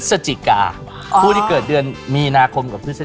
โหยิวมากประเด็นหัวหน้าแซ่บที่เกิดเดือนไหนในช่วงนี้มีเกณฑ์โดนหลอกแอ้มฟรี